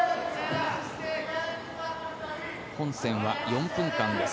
本戦は４分間です。